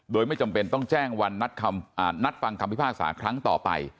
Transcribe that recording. โดยไม่จำเป็นต้องแจ้งวันนัดฟังคำพิพากษาครั้งต่อไป